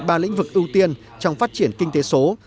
ba lĩnh vực ưu tiên trong phát triển kinh tế số